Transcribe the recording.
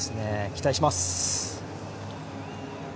期待してます！